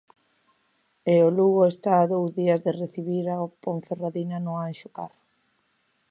E o Lugo está a dous días de recibir ao Ponferradina no Anxo Carro.